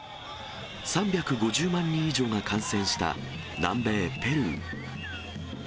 ３５０万人以上が感染した南米ペルー。